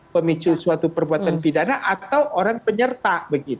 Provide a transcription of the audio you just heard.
pemicu suatu perbuatan pidana atau orang penyerta